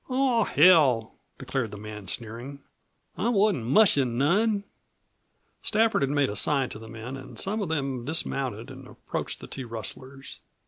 "Aw, hell!" declared the man, sneering. "I wasn't mushin' none!" Stafford had made a sign to the men and some of them dismounted and approached the two rustlers.